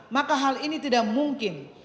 maka hal ini tidak mungkin